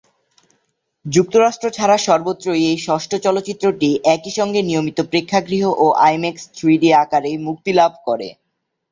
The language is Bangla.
যুক্তরাষ্ট্র ছাড়া সর্বত্রই এই ষষ্ঠ চলচ্চিত্রটি একই সঙ্গে নিয়মিত প্রেক্ষাগৃহ ও আইম্যাক্স থ্রি-ডি আকারে মুক্তিলাভ করে।